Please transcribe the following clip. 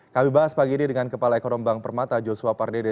kami bahas pagi ini dengan kepala ekonomi bank permata joshua pardede